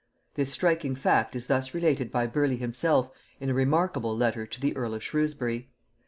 This striking fact is thus related by Burleigh himself in a remarkable letter to the earl of Shrewsbury.